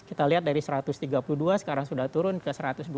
kita lihat dari satu ratus tiga puluh dua sekarang sudah turun ke satu ratus dua puluh